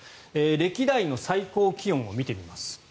歴代の最高気温を見てみます。